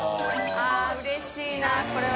あうれしいなこれは。